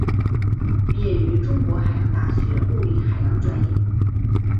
毕业于中国海洋大学物理海洋专业。